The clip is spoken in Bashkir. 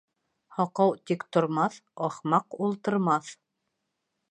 Һаҡау тик тормаҫ, ахмаҡ ултырмаҫ.